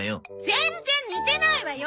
全然似てないわよ！